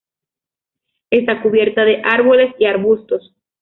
Esta cubierta de árboles y arbustos.